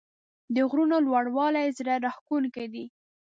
د غرونو لوړوالی زړه راښکونکی دی.